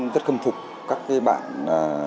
rất khâm phục các bạn